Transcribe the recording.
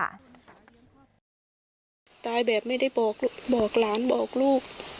ตายแบบไม่ได้บอกหลานบอกลูก